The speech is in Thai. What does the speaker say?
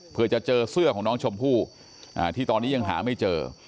เพื่อจะเจอเสื้อของน้องชมพู่ที่ตอนนี้ยังหาไม่เจอ